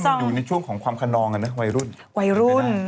มันอยู่ในช่วงของความขนองอ่ะนะวัยรุ่นวัยรุ่น